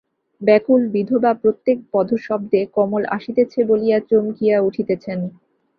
ব্যাকুল বিধবা প্রত্যেক পদশব্দে কমল আসিতেছে বলিয়া চমকিয়া উঠিতেছেন।